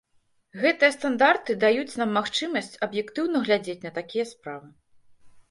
Гэтыя стандарты даюць нам магчымасць аб'ектыўна глядзець на такія справы.